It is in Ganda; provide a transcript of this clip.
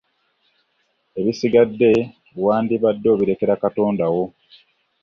Ebisigadde wandibadde obirekera Katonda wo.